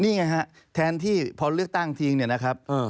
นี่ไงฮะแทนที่พอเลือกตั้งทิ้งเนี่ยนะครับ